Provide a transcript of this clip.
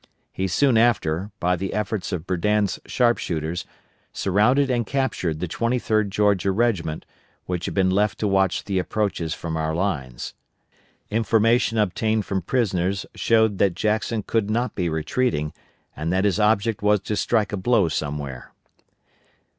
He soon after, by the efforts of Berdan's sharpshooters, surrounded and captured the 23d Georgia regiment, which had been left to watch the approaches from our lines. Information obtained from prisoners showed the Jackson could not be retreating, and that his object was to strike a blow somewhere.